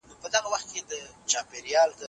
د نورو په غم او خوښۍ کې شریک اوسئ.